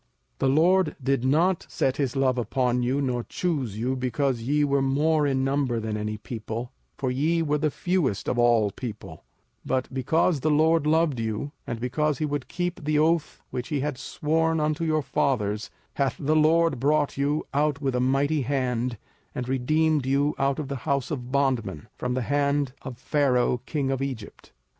05:007:007 The LORD did not set his love upon you, nor choose you, because ye were more in number than any people; for ye were the fewest of all people: 05:007:008 But because the LORD loved you, and because he would keep the oath which he had sworn unto your fathers, hath the LORD brought you out with a mighty hand, and redeemed you out of the house of bondmen, from the hand of Pharaoh king of Egypt.